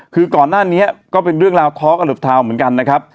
คือก่อนหน้านี้ก็เป็นเรื่องราวท้อกระหลบทาวนเหมือนกันนะครับ